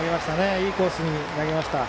いいコースに投げました。